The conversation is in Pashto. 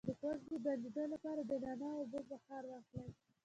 د پوزې د بندیدو لپاره د نعناع او اوبو بخار واخلئ